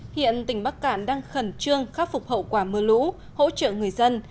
hiện tỉnh bắc cạn đang khẩn trương khắc phục hậu quả mưa lũ hỗ trợ người dân